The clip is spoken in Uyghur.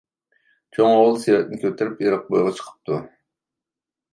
چوڭ ئوغۇل سېۋەتنى كۆتۈرۈپ ئېرىق بويىغا چىقىپتۇ،